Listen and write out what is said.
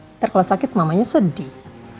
ntar kalau sakit mamanya sedih